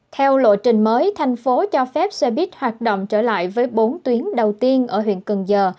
theo lộ trình mới thành phố cho phép xe buýt hoạt động trở lại với bốn tuyến đầu tiên ở huyện cần giờ